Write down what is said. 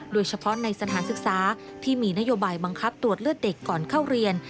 โดยเฉพาะในสถานศึกษาที่มีนโยบายบังคับตรวจเลือดเด็กก่อนเข้าเรียน